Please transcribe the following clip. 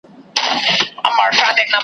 نه خمار وي نه مستي وي نه منت وي له مُغانه .